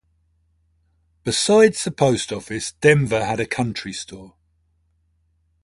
Besides the post office, Denver had a country store.